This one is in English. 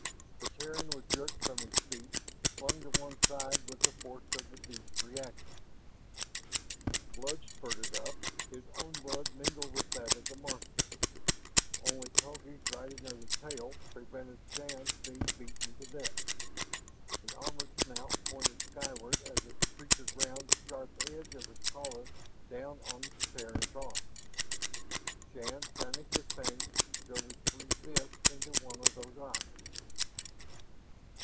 The Terran was jerked from his feet, and flung to one side with the force of the beast's reaction. Blood spurted up, his own blood mingled with that of the monster. Only Togi's riding of the tail prevented Shann's being beaten to death. The armored snout pointed skyward as the creature ground the sharp edge of its collar down on the Terran's arm. Shann, frantic with pain, drove his free fist into one of those eyes.